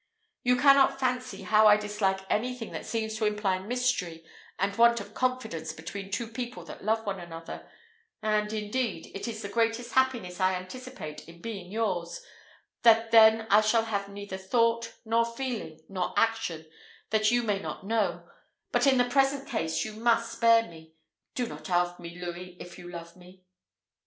You cannot fancy how I dislike anything that seems to imply mystery and want of confidence between two people that love one another; and, indeed, it is the greatest happiness I anticipate in being yours, that then I shall have neither thought, nor feeling, nor action, that you may not know but in the present case you must spare me. Do not ask me, Louis, if you love me."